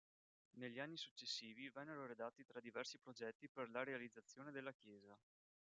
Negli anni successivi vennero redatti tre diversi progetti per la realizzazione della chiesa.